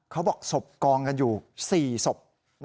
เขาบอกศพกองกันอยู่๔ศพ